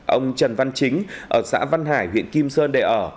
ông trần văn chính ở xã văn hải huyện kim sơn để ở